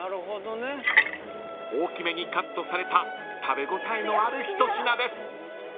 ［大きめにカットされた食べ応えのある一品です］